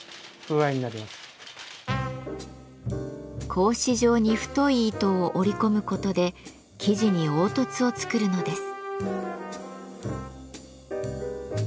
格子状に太い糸を織り込むことで生地に凹凸を作るのです。